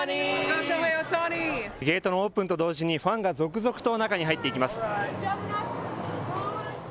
ゲートのオープンと同時に、ファンが続々と中に入っていきます。